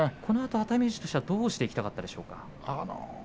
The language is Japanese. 熱海富士としてはどうしていきたかったでしょう。